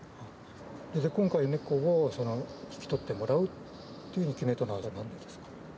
今回、猫を引き取ってもらうってふうに決めたのはなんでですか。